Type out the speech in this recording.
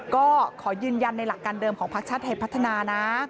ก็ขอยืนยันในหลักการเดิมของพักชาติไทยพัฒนานะ